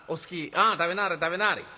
ああ食べなはれ食べなはれ。